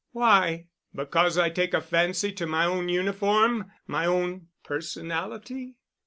"Why? Because I take a fancy to my own uniform—my own personality?"